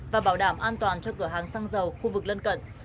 và bảo đảm an toàn cho cửa hàng xăng dầu khu vực lân cận